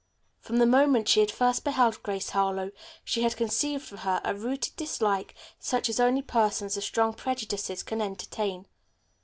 From the moment she had first beheld Grace Harlowe she had conceived for her a rooted dislike such as only persons of strong prejudices can entertain.